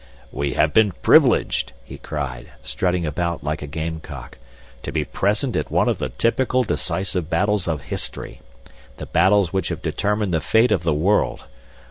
"We have been privileged," he cried, strutting about like a gamecock, "to be present at one of the typical decisive battles of history the battles which have determined the fate of the world.